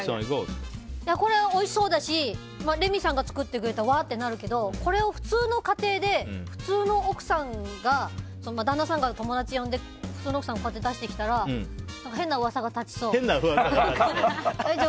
これはおいしそうだしレミさんが作ってくれたらわーってなるけどこれを普通の家庭で普通の奥さんが旦那さんが友達を呼んで奥さんが出してきたら変な噂が立ちそう。